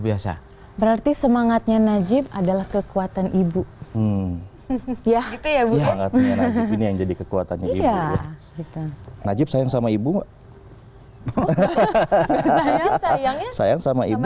biasa berarti semangatnya najib adalah kekuatan ibu hadiah pelang entrenan